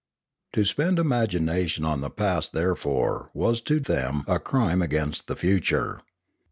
To spend imagination on the past, therefore, was to them a crime against the future.